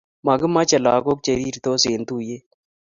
Makimache lakok cherir tos en tuyet